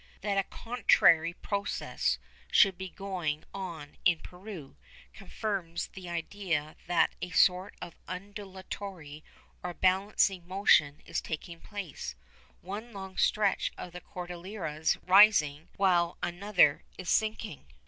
That a contrary process should be going on in Peru, confirms the idea that a sort of undulatory or balancing motion is taking place—one long stretch of the Cordilleras rising while another is sinking.